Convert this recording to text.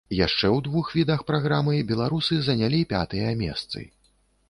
Яшчэ ў двух відах праграмы беларусы занялі пятыя месцы.